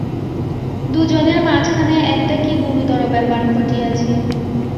দুজনের মাঝখানে একটা কী গুরুতর ব্যাপার ঘটিয়াছে।